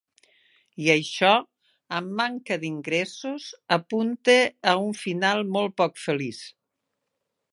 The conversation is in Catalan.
I això, amb manca d’ingressos, apunta a un final molt poc feliç.